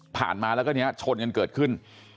จะขี่ผ่านมาแล้วก็เนี่ยชนกันเกิดขึ้น